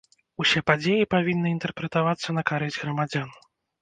Усе падзеі павінны інтэрпрэтавацца на карысць грамадзян.